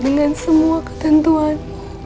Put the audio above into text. dengan semua ketentuan